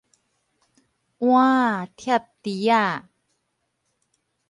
碗仔疊碟仔